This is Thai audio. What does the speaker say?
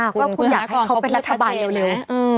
ก็คุณอยากให้เขาเป็นรัฐบาลเร็ว